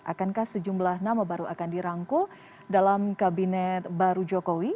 akankah sejumlah nama baru akan dirangkul dalam kabinet baru jokowi